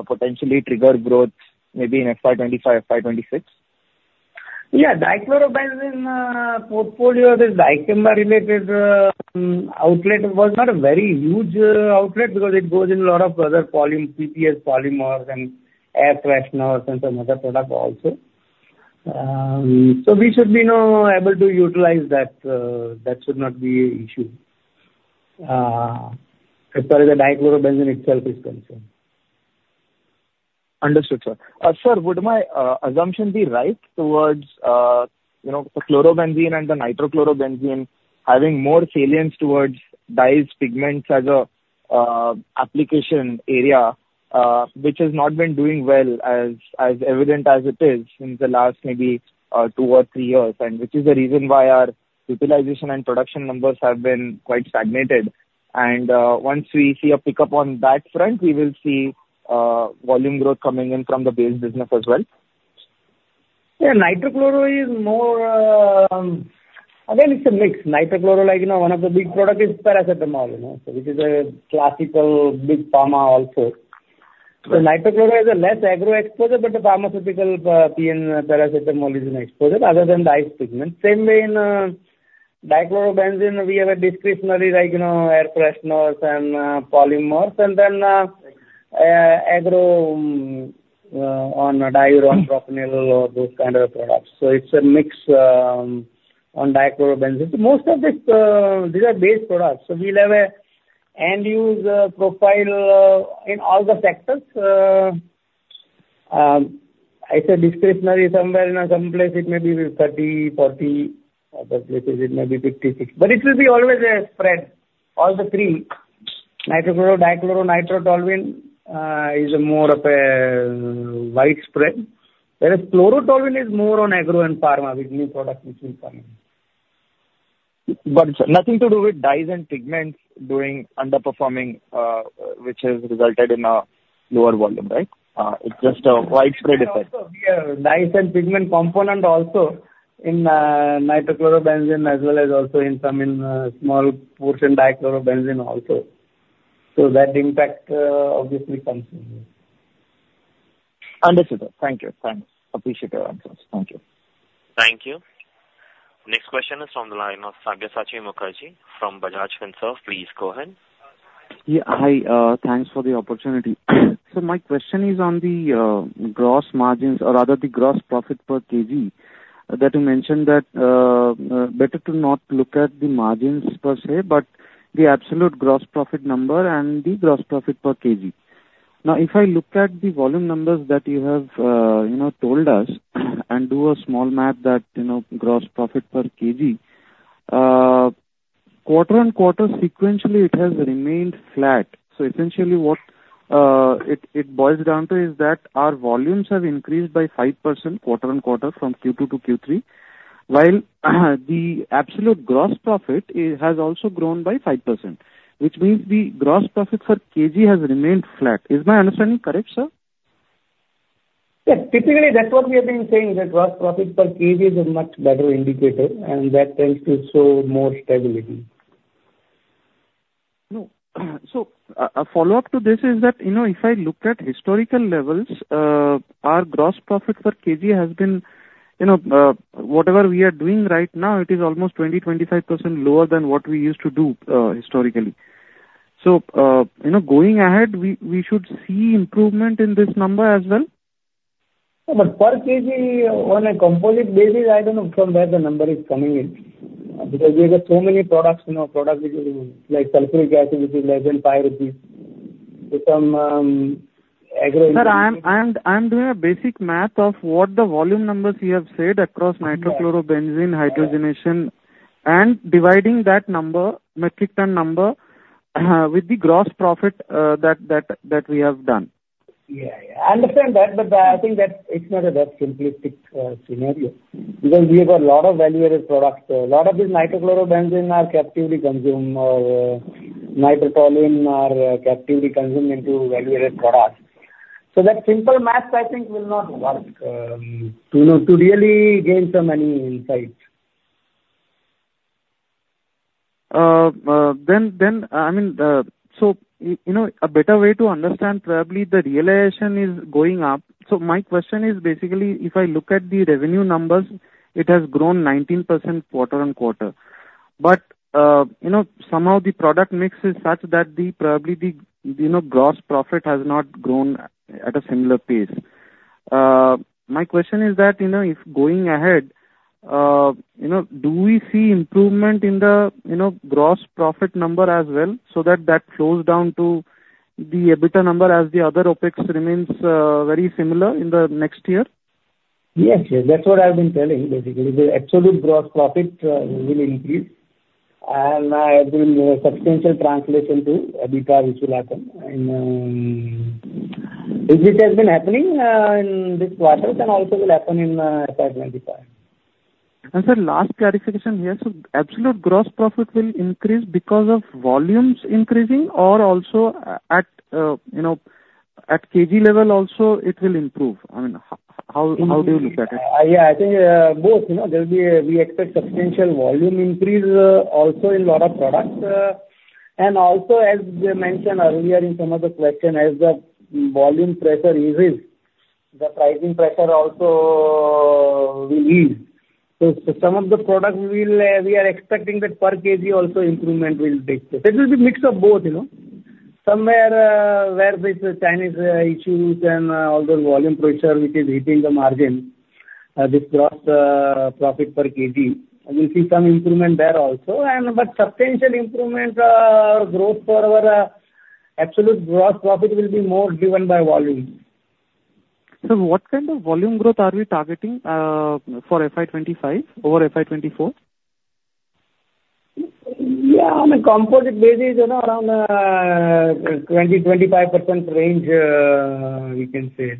potentially trigger growth maybe in FY25, FY26? Yeah. Dichlorobenzene portfolio, this dicamba-related outlet was not a very huge outlet because it goes in a lot of other volume PPS polymers and air fresheners and some other products also. So we should be, you know, able to utilize that, that should not be an issue, as far as the dichlorobenzene itself is concerned. Understood, sir. Sir, would my assumption be right towards, you know, the Chlorobenzene and the nitrochlorobenzene having more salience towards dyes, pigments as a application area, which has not been doing well as evident as it is in the last maybe two or three years and which is the reason why our utilization and production numbers have been quite stagnated? And once we see a pickup on that front, we will see volume growth coming in from the base business as well? Yeah. Nitrochloro is more, again, it's a mix. Nitrochloro, like, you know, one of the big products is paracetamol, you know, so which is a classical big pharma also. So nitrochloro has a less agro exposure, but the pharmaceutical, PN paracetamol is an exposure other than dyes, pigments. Same way in dichlorobenzene, we have a discretionary, like, you know, air fresheners and polymers, and then agro, on diuron propanil or those kind of products. So it's a mix, on dichlorobenzene. So most of this, these are base products. So we'll have an end-use profile in all the sectors. I said discretionary somewhere in some place, it may be 30, 40. Other places, it may be 56. But it will be always a spread. All the three, nitrochloro, dichloro, nitrotoluene, is more of a widespread, whereas chlorotoluene is more on agro and pharma with new products which will come in. But it's nothing to do with dyes and pigments doing underperforming, which has resulted in a lower volume, right? It's just a widespread effect. Yeah. Also, we have dyes and pigment component also in nitrochlorobenzene as well as also in some small portion dichlorobenzene also. So that impact, obviously, comes from this. Understood, sir. Thank you. Thanks. Appreciate your answers. Thank you. Thank you. Next question is from the line of Sabyasachi Mukerji from Bajaj Finserv. Please go ahead. Yeah. Hi. Thanks for the opportunity. So my question is on the gross margins or rather the gross profit per kg that you mentioned that better to not look at the margins per se but the absolute gross profit number and the gross profit per kg. Now, if I look at the volume numbers that you have, you know, told us and do a small math that, you know, gross profit per kg, quarter-on-quarter, sequentially, it has remained flat. So essentially, what it boils down to is that our volumes have increased by 5% quarter-on-quarter from Q2 to Q3, while the absolute gross profit has also grown by 5%, which means the gross profit per kg has remained flat. Is my understanding correct, sir? Yeah. Typically, that's what we have been saying, that gross profit per kg is a much better indicator, and that tends to show more stability. No, so a follow-up to this is that, you know, if I look at historical levels, our gross profit per kg has been, you know, whatever we are doing right now, it is almost 20%-25% lower than what we used to do, historically. So, you know, going ahead, we, we should see improvement in this number as well. Yeah. But per kg, on a composite basis, I don't know from where the number is coming in because we have so many products, you know, products which is like sulfuric acid, which is less than 5 rupees, with some, agro-. Sir, I'm doing a basic map of what the volume numbers you have said across Nitrochlorobenzene, hydrogenation, and dividing that number, metric ton number, with the gross profit, that we have done. Yeah. Yeah. I understand that, but I think that it's not a simplistic scenario because we have a lot of value-added products. A lot of these nitrochlorobenzene are captively consumed or nitrotoluene are captively consumed into value-added products. So that simple map, I think, will not work to, you know, to really gain so many insights. I mean, so I, you know, a better way to understand, probably, the realization is going up. So my question is basically, if I look at the revenue numbers, it has grown 19% quarter-on-quarter. But, you know, somehow, the product mix is such that probably the, you know, gross profit has not grown at a similar pace. My question is that, you know, if going ahead, you know, do we see improvement in the, you know, gross profit number as well so that that flows down to the EBITDA number as the other OpEx remains very similar in the next year? Yes. Yes. That's what I've been telling, basically, the absolute gross profit, will increase. It will be a substantial translation to EBITDA which will happen in, as it has been happening, in this quarter and also will happen in, FY25. Sir, last clarification here. So absolute gross profit will increase because of volumes increasing or also at, you know, at kg level also, it will improve? I mean, how do you look at it? Yeah. Yeah. I think both, you know. There'll be. We expect substantial volume increase also in a lot of products. And also, as we mentioned earlier in some of the question, as the volume pressure eases, the pricing pressure also will ease. So some of the products will. We are expecting that per kg also improvement will take place. It will be a mix of both, you know. Somewhere where there is Chinese issues and all those volume pressure which is hitting the margin, this gross profit per kg, we'll see some improvement there also. And but substantial improvement or growth for our absolute gross profit will be more driven by volume. What kind of volume growth are we targeting for FY25 over FY24? Yeah. On a composite basis, you know, around 20%-25% range, we can say.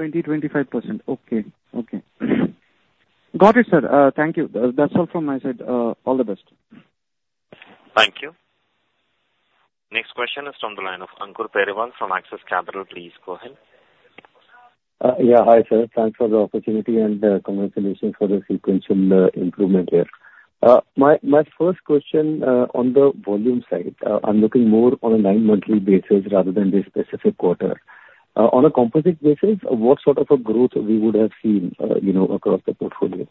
20%-25%. Okay. Okay. Got it, sir. Thank you. That's all from my side. All the best. Thank you. Next question is from the line of Ankur Periwal from Axis Capital. Please go ahead. Yeah. Hi, sir. Thanks for the opportunity and congratulations for the sequential improvement here. My first question on the volume side, I'm looking more on a nine-monthly basis rather than this specific quarter. On a composite basis, what sort of a growth we would have seen, you know, across the portfolio?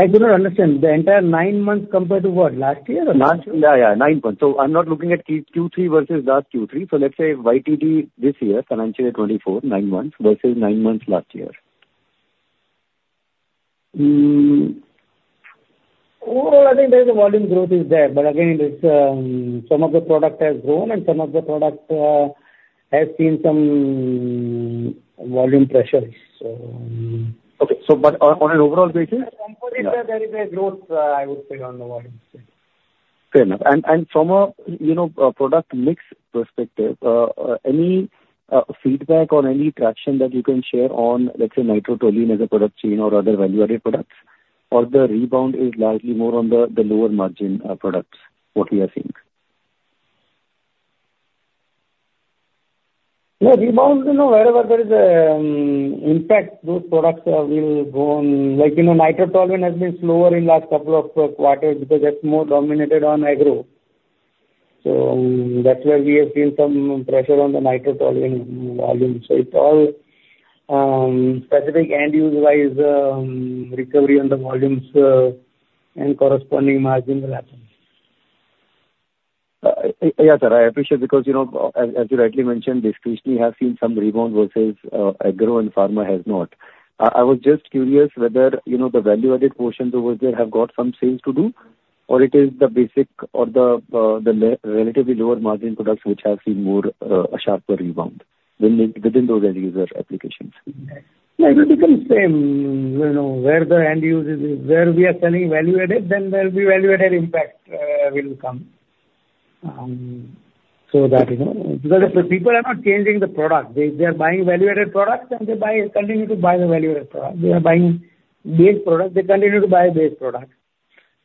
I do not understand. The entire nine months compared to what? Last year or last year? Last year. Yeah. Yeah. Nine months. So I'm not looking at Q3 versus last Q3. So let's say YTD this year, financial year 2024, nine months versus nine months last year. Overall, I think there is a volume growth is there. But again, it's some of the product has grown, and some of the product has seen some volume pressures, so. Okay. So but on an overall basis? On a composite, there is a growth, I would say, on the volume side. Fair enough. And from a, you know, product mix perspective, any feedback or any traction that you can share on, let's say, nitrotoluene as a product chain or other value-added products? Or the rebound is largely more on the lower margin products, what we are seeing? Yeah. Rebound, you know, wherever there is a impact, those products will go on like, you know, nitrotoluene has been slower in the last couple of quarters because that's more dominated on agro. So, that's where we have seen some pressure on the nitrotoluene volume. So it's all specific end-use-wise, recovery on the volumes, and corresponding margin will happen. Yeah, sir. I appreciate because, you know, as you rightly mentioned, discretionary has seen some rebound versus, agro and pharma has not. I was just curious whether, you know, the value-added portions over there have got some sales to do or it is the basic or the relatively lower margin products which have seen more, a sharper rebound within those end-user applications. Yeah. It will become same. You know, where the end-use is where we are selling value-added, then there'll be value-added impact, will come, so that, you know because if the people are not changing the product, they are buying value-added products, and they buy continue to buy the value-added product. They are buying base products. They continue to buy base products.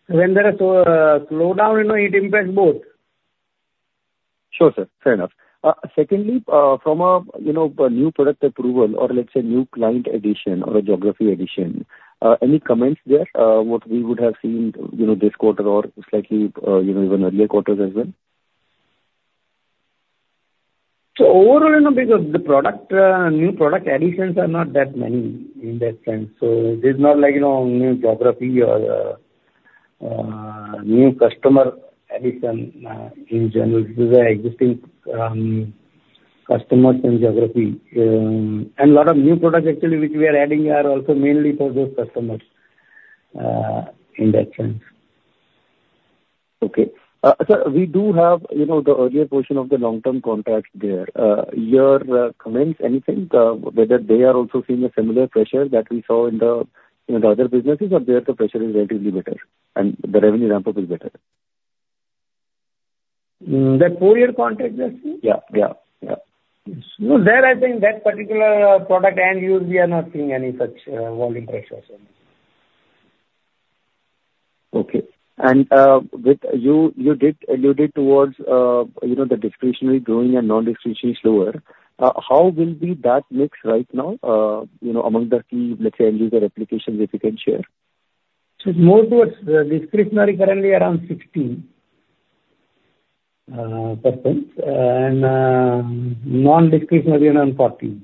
When there is so slowdown, you know, it impacts both. Sure, sir. Fair enough. Secondly, from a, you know, a new product approval or let's say new client addition or a geography addition, any comments there? What we would have seen, you know, this quarter or slightly, you know, even earlier quarters as well? So overall, you know, because the product, new product additions are not that many in that sense. So it is not like, you know, new geography or, new customer addition, in general. This is existing customers and geography. And a lot of new products, actually, which we are adding are also mainly for those customers, in that sense. Okay, sir, we do have, you know, the earlier portion of the long-term contracts there. Your comments, anything, whether they are also seeing a similar pressure that we saw in the, you know, the other businesses or there the pressure is relatively better and the revenue ramp-up is better? The four-year contract that we? Yeah. Yeah. Yeah. Yes. No, there, I think, that particular product end-use, we are not seeing any such volume pressure. Okay. And with you, you did towards, you know, the discretionary growing and non-discretionary slower. How will be that mix right now, you know, among the key, let's say, end-user applications if you can share? So it's more towards discretionary currently around 16%, and non-discretionary, you know, around 14.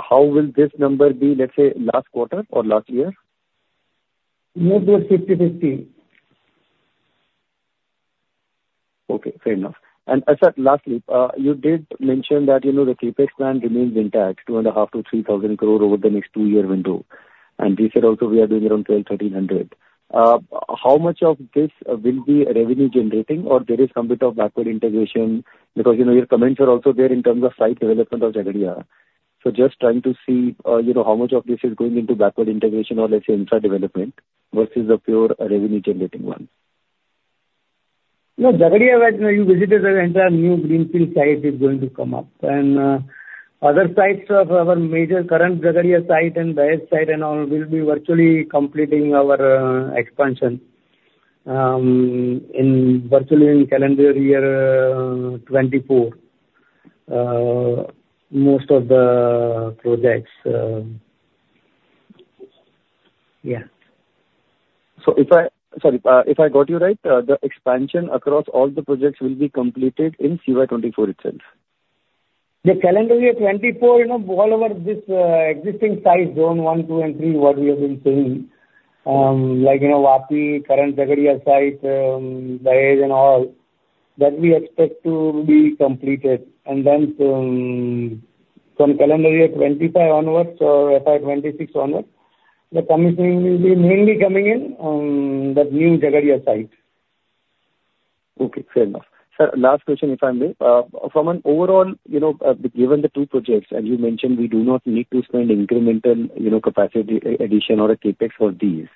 How will this number be, let's say, last quarter or last year? More towards 50/50. Okay. Fair enough. And, sir, lastly, you did mention that, you know, the CapEx plan remains intact, 2.5-3,000 crore over the next two-year window. And we said also we are doing around 1,200-1,300. How much of this will be revenue-generating or there is some bit of backward integration because, you know, your comments are also there in terms of site development of Jhagadia. So just trying to see, you know, how much of this is going into backward integration or, let's say, infra development versus the pure revenue-generating one. Yeah. Jhagadia, when, you know, you visit it, the entire new greenfield site is going to come up. And, other sites of our major current Jhagadia site and Vapi site and all will be virtually completing our expansion in virtually in calendar year 2024, most of the projects, yeah. If I got you right, the expansion across all the projects will be completed in CY 2024 itself? The calendar year 2024, you know, all over this existing site zone one, two, and three, what we have been seeing, like, you know, Vapi, current Jhagadia site, Dahej and all, that we expect to be completed. And then, from calendar year 2025 onwards or FY 2026 onwards, the commissioning will be mainly coming in, that new Jhagadia site. Okay. Fair enough. Sir, last question if I may. From an overall, you know, given the two projects, and you mentioned we do not need to spend incremental, you know, capacity addition or a CAPEX for these,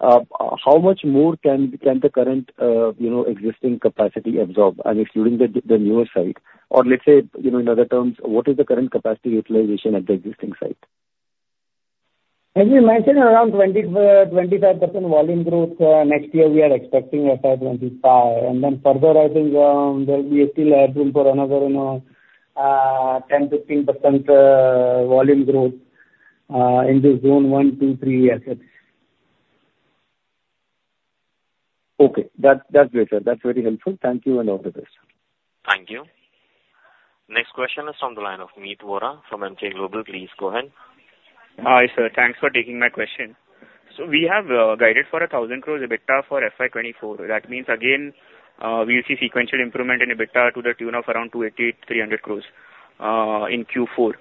how much more can the current, you know, existing capacity absorb, I mean, excluding the newer site? Or let's say, you know, in other terms, what is the current capacity utilization at the existing site? As we mentioned, around 20%-25% volume growth next year we are expecting FY 2025. And then further, I think, there'll be still headroom for another, you know, 10%-15% volume growth in this zone, 1, 2, 3 assets. Okay. That's great, sir. That's very helpful. Thank you and all the best. Thank you. Next question is from the line of Meet Vora from Emkay Global. Please go ahead. Hi, sir. Thanks for taking my question. So we have guided for 1,000 crores EBITDA for FY 2024. That means, again, we'll see sequential improvement in EBITDA to the tune of around 280-300 crores in Q4.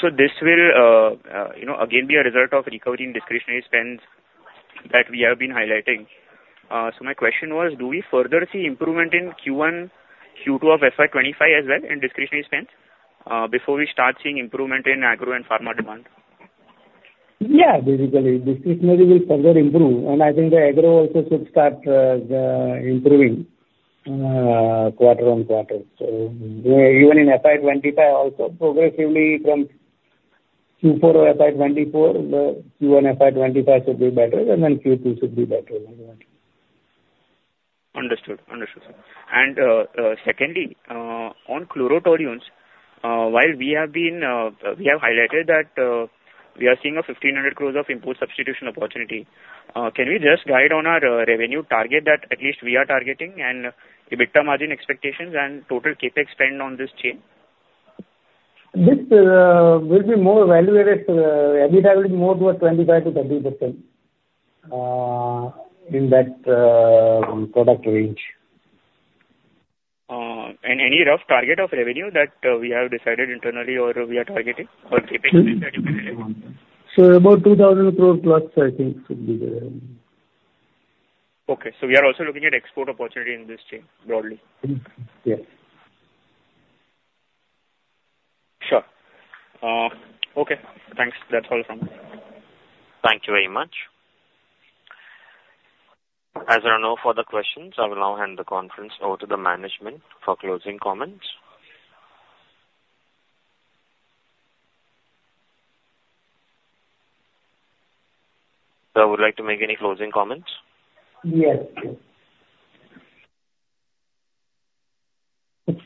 So this will, you know, again, be a result of recovery in discretionary spends that we have been highlighting. So my question was, do we further see improvement in Q1, Q2 of FY 2025 as well in discretionary spends, before we start seeing improvement in agro and pharma demand? Yeah, basically. Discretionary will further improve. And I think the agro also should start improving quarter-on-quarter. So even in FY 2025 also, progressively from Q4 of FY 2024, the Q1, FY 2025 should be better, and then Q2 should be better like that. Understood. Understood, sir. Secondly, on chlorotoluene, while we have been, we have highlighted that, we are seeing an 1,500 crore import substitution opportunity, can we just guide on our revenue target that at least we are targeting and EBITDA margin expectations and total CAPEX spend on this chain? This will be more value-added. EBITDA will be more towards 25%-30% in that product range. any rough target of revenue that we have decided internally or we are targeting or CAPEX spend that you can elevate? About 2,000 crore+, I think, should be the revenue. Okay. We are also looking at export opportunity in this chain broadly? Yes. Sure. Okay. Thanks. That's all from me. Thank you very much. As there are no further questions, I will now hand the conference over to the management for closing comments. Sir, would you like to make any closing comments? Yes.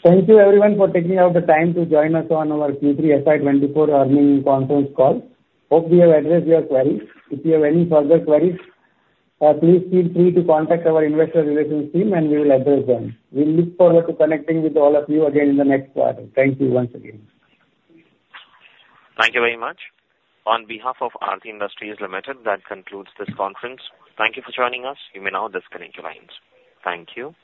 Thank you, everyone, for taking out the time to join us on our Q3 FY 2024 earnings conference call. Hope we have addressed your queries. If you have any further queries, please feel free to contact our investor relations team, and we will address them. We'll look forward to connecting with all of you again in the next quarter. Thank you once again. Thank you very much. On behalf of Aarti Industries Limited, that concludes this conference. Thank you for joining us. You may now disconnect your lines. Thank you. Thank you.